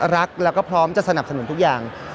รักแล้วก็พร้อมจะสนับสนุนทุกอย่าง